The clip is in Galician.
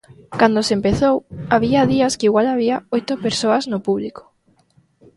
Cando se empezou, había días que igual había oito persoas no público.